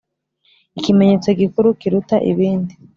Ikimenyetso gikuru kiruta ibindi.